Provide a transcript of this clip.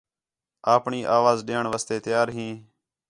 آپݨی اَواز ݙیݨ واسطے تیار ہیں؟